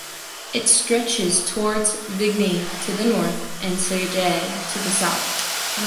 It stretches toward Vigny to the north and Sagy to the south.